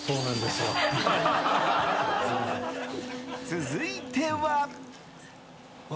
続いては。